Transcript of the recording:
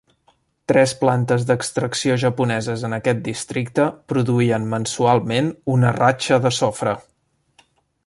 Tres plantes d'extracció japoneses en aquest districte produïen mensualment una ratxa de sofre.